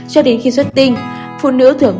cho đến khi xuất tinh phụ nữ thường